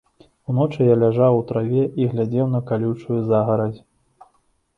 Уночы я ляжаў у траве і глядзеў на калючую загарадзь.